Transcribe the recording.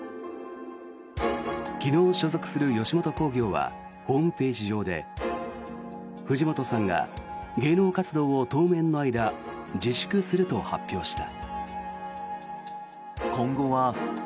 昨日、所属する吉本興業はホームページ上で藤本さんが、芸能活動を当面の間自粛すると発表した。